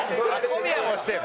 小宮も推してる。